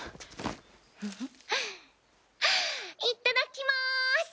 いっただっきます！